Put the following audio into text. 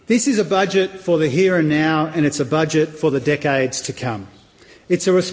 ini adalah budjet untuk sekarang dan ini adalah budjet untuk dekade yang akan datang